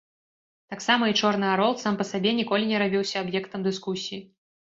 Таксама і чорны арол сам па сабе ніколі не рабіўся аб'ектам дыскусіі.